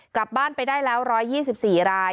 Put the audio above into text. กลับบ้านไปได้แล้ว๑๒๔ราย